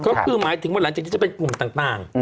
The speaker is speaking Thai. ก็คือหมายถึงวันหลังจากนี้จะเป็นกลุ่มต่าง